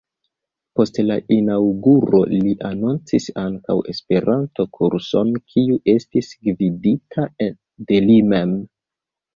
Post la inaŭguro li anoncis ankaŭ Esperanto-kurson, kiu estis gvidita de li mem.